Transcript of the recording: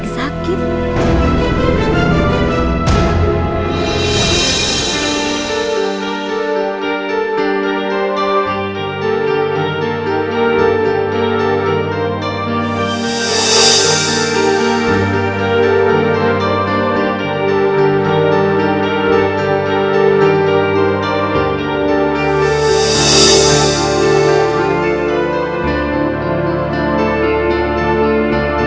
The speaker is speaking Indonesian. tidak ada masalah